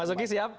mas uki siap